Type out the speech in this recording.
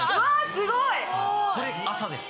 すごい！これ朝です。